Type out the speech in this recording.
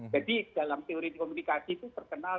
dalam teori komunikasi itu terkenal